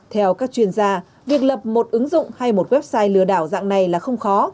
theo các chuyên gia việc lập một ứng dụng hay một website lừa đảo dạng này là không khó